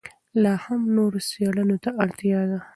لا هم نورو څېړنو ته اړتیا ده.